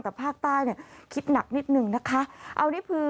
แต่ภาคใต้เนี่ยคิดหนักนิดหนึ่งนะคะเอานี่คือ